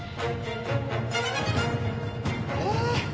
ああ